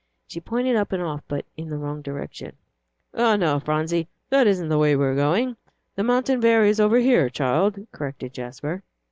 She pointed up and off, but in the wrong direction. "Oh, no, Phronsie, that isn't the way we are going. The Montanvert is over here, child," corrected Jasper.